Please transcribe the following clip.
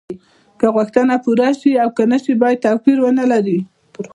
که غوښتنه پوره شي او که نشي باید توپیر ونلري.